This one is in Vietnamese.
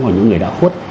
hoặc những người đã khuất